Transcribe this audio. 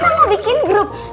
dan terus berbaba dua